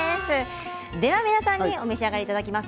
では、皆さんにお召し上がりいただきます。